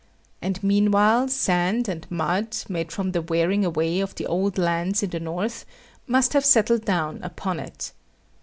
And meanwhile sand and mud, made from the wearing away of the old lands in the North must have settled down upon it.